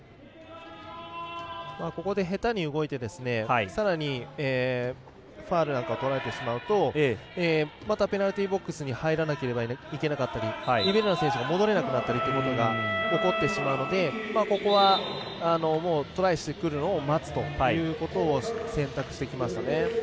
ここで下手に動いてさらにファウルなんかをとられてしまうとまたペナルティーボックスに入らないといけなくなったり選手が戻れないということが起こってしまうのでここはトライしてくるのを待つということを選択してきましたね。